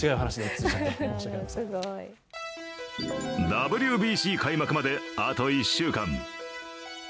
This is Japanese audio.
ＷＢＣ開幕まであと１週間。